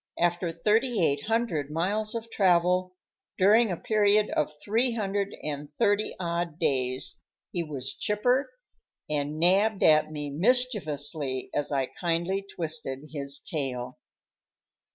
After thirty eight hundred miles of travel, during a period of three hundred and thirty odd days, he was chipper and nabbed at me mischievously as I kindly twisted his tail.